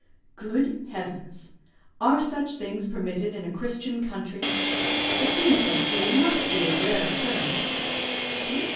"Good heavens! are such things permitted in a Christian country? But scenes like these must be of rare occurrence?"